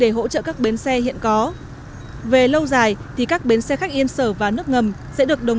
để hỗ trợ các bến xe hiện có về lâu dài thì các bến xe khách yên sở và nước ngầm sẽ được đồng